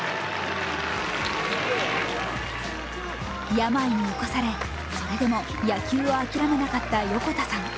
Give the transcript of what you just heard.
病に侵され、それでも野球を諦めなかった横田さん。